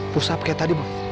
pusap kayak tadi boy